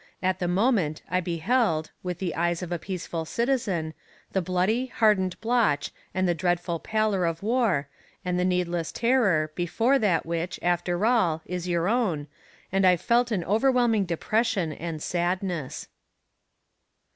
At the moment, I beheld, with the eyes of a peaceful citizen, the bloody, hardened blotch and the dreadful pallor of war, and the needless terror before that which, after all, is your own, and I felt an overwhelming depression and sadness.